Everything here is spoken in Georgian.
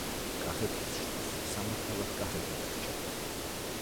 კახეთის შტოს სამართავად კახეთი დარჩა.